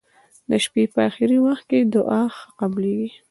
د شپي په اخرې وخت کې دعا ښه قبلیږی.